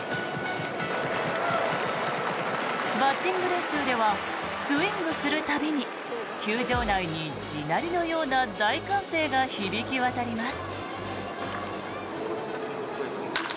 バッティング練習ではスイングする度に球場内に地鳴りのような大歓声が響き渡ります。